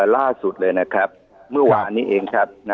ล่าสุดเลยนะครับเมื่อวานนี้เองครับ